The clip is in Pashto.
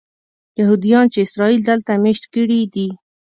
یهودیان چې اسرائیل دلته مېشت کړي دي.